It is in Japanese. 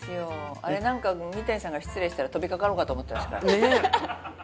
あれ何か三谷さんが失礼したら飛びかかろうかと思ってました